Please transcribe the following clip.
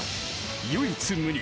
［唯一無二。